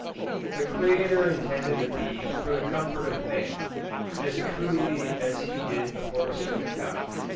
The Creator intended the bee for the comfort of man, as truly as he did the horse or the cow.